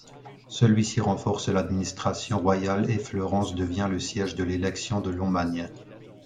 Celui-ci renforce l'administration royale et Fleurance devient le siège de l'élection de Lomagne.